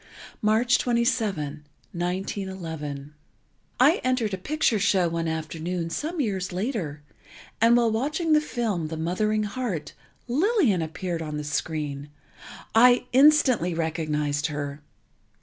March 27, 1911 I entered a picture show one afternoon, some years later, and while watching the film "The Mothering Heart," Lillian appeared on the screen. I instantly recognized her.